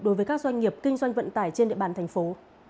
đối với các doanh nghiệp kinh doanh vận tải trên địa bàn thành phố